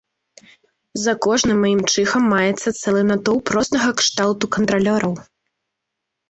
За кожным маім чыхам маецца цэлы натоўп рознага кшталту кантралёраў.